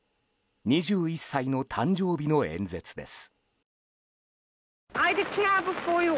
２１歳の誕生日の演説です。